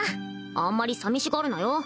あんまり寂しがるなよ